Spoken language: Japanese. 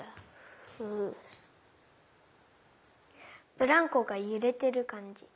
ブランコがゆれてるかんじ。